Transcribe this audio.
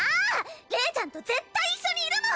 レイちゃんと絶対一緒にいるもん